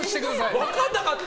分からなかった！